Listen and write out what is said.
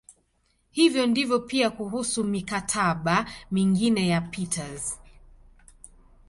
Hivyo ndivyo pia kuhusu "mikataba" mingine ya Peters.